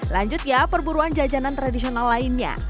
lanjut ya perburuan jajanan tradisional lainnya